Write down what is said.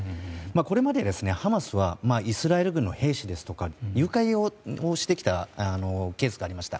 これまでハマスはイスラエル側の兵士ですとかを誘拐をしてきたケースがありました。